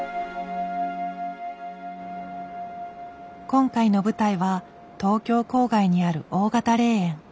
今回の舞台は東京郊外にある大型霊園。